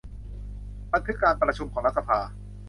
บันทึกการประชุมของรัฐสภา